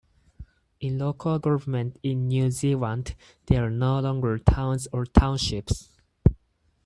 In local government in New Zealand, there are no longer towns or townships.